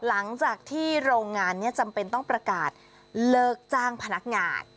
หลังจากที่โรงงานนี้จำเป็นต้องประกาศเลิกจ้างพนักงาน